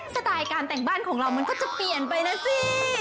สไตล์การแต่งบ้านของเรามันก็จะเปลี่ยนไปนะสิ